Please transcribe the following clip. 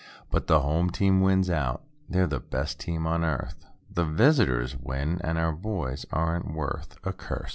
But the home team wins out, "they're the best team on earth." The visitors win and our boys aren't worth—a cuss.